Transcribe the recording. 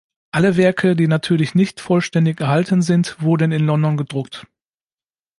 Alle Werke, die natürlich nicht vollständig erhalten sind, wurden in London gedruckt.